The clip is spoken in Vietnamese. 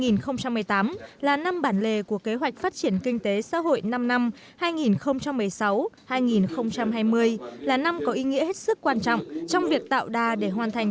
năm hai nghìn một mươi tám là năm bản lề của kế hoạch phát triển kinh tế xã hội năm năm hai nghìn một mươi sáu hai nghìn hai mươi là năm có ý nghĩa hết sức quan trọng trong việc tạo đà để hoàn thành